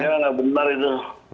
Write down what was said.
iya nggak benar itu